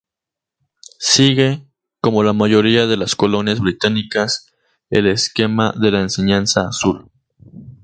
Sigue, como la mayoría de las colonias británicas el esquema de la Enseña Azul.